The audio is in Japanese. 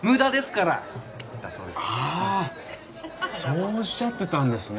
そうおっしゃってたんですね。